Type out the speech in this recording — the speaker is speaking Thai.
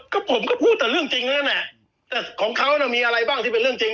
ก็ผมก็พูดแต่เรื่องจริงแล้วนั่นแหละแต่ของเขาน่ะมีอะไรบ้างที่เป็นเรื่องจริง